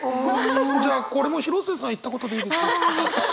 じゃあこれも広末さん言ったことでいいですよ。